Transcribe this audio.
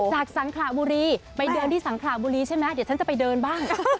สังขระบุรีไปเดินที่สังขระบุรีใช่ไหมเดี๋ยวฉันจะไปเดินบ้าง